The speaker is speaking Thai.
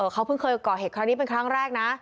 เขาเพิ่งเคยก่อเหตุครั้งนี้เป็นครั้งแรกนะ